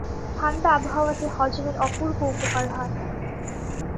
ঠাণ্ডা আবহাওয়াতে হজমের অপূর্ব উপকার হয়।